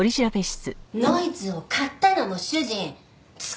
ノイズを買ったのも主人使ったのも主人！